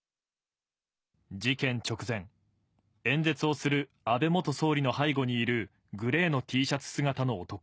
事件直前、演説をする安倍元総理の背後にいるグレーのＴシャツ姿の男。